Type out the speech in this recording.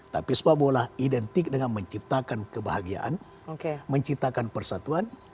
tapi sepak bola identik dengan menciptakan kebahagiaan menciptakan persatuan